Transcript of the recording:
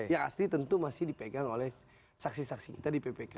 yang asli tentu masih dipegang oleh saksi saksi kita di ppk